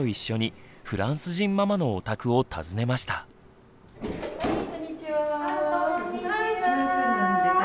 あこんにちは。